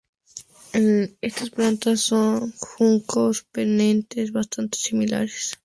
Estas plantas son juncos perennes bastante similares a las especies de "Carex" en apariencia.